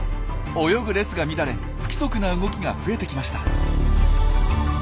泳ぐ列が乱れ不規則な動きが増えてきました。